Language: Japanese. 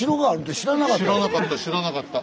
知らなかった知らなかった。